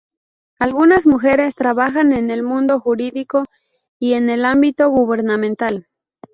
Algunas mujeres trabajan en el mundo jurídico y en el ámbito gubernamental.